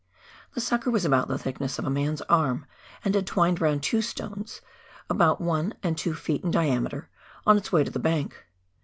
The sucker was about the thickness of a man's arm, and had twined round two stones, about one and two ft. in diameter, on its way to the bank.